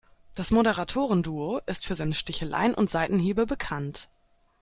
Das Moderatoren-Duo ist für seine Sticheleien und Seitenhiebe bekannt.